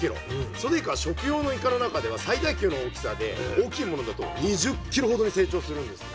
ソデイカは食用のイカの中では最大級の大きさで大きいものだと２０キロほどに成長するんですね。